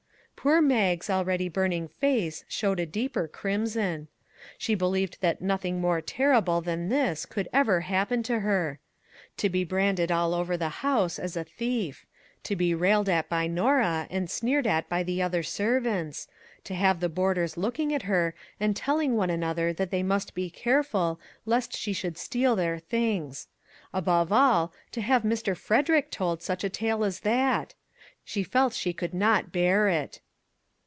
Poor Mag's already burning face showed a deeper crimson. She believed that nothing more terrible than this could ever happen to her. To be branded all over the house as a thief; to be railed at by Norah, and sneered at by the other servants; to have the boarders looking at her and telling one another that they must be careful lest she should steal their things; above all, to have Mr. Frederick told such a tale as that ! She felt that she could not bear it.